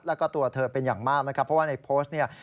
แล้วก็ตัวเธอเป็นอย่างมากนะครับเพราะว่าในโพสต์เนี่ย